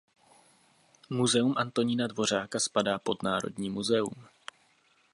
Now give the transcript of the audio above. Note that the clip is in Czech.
Muzeum Antonína Dvořáka spadá pod Národní muzeum.